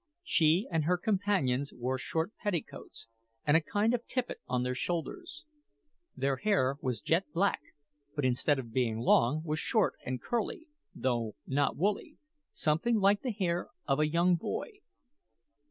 She and her companions wore short petticoats, and a kind of tippet on their shoulders. Their hair was jet black, but instead of being long, was short and curly though not woolly somewhat like the hair of a young boy.